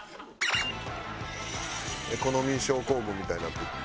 エコノミー症候群みたいになってる。